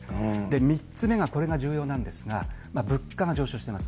３つ目が、これが重要なんですが、物価が上昇してます。